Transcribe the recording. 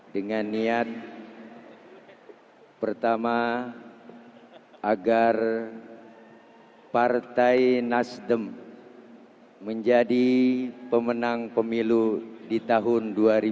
dengan niat pertama agar partai nasdem menjadi pemenang pemilu di tahun dua ribu dua puluh